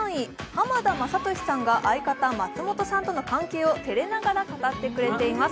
浜田雅功さんが相方・松本人志さんとの関係をテレながら語ってくれています。